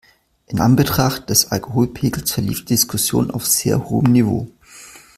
In Anbetracht des Alkoholpegels verlief die Diskussion auf sehr hohem Niveau.